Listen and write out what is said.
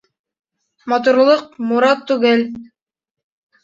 Матурлыҡ морат түгел